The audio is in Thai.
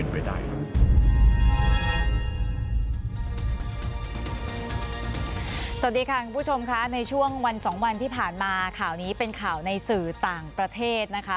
สวัสดีค่ะคุณผู้ชมค่ะในช่วงวันสองวันที่ผ่านมาข่าวนี้เป็นข่าวในสื่อต่างประเทศนะคะ